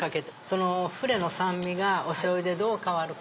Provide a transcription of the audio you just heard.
そのフレの酸味がおしょうゆでどう変わるか。